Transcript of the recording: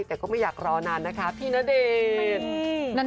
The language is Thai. แต่ก็ไม่อยากรอนานนะคะพี่ณเดชน์